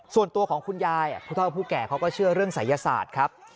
ส่วนตัวของคุณยายผู้เท่าผู้แก่เขาก็เชื่อเรื่องศัยศาสตร์ครับ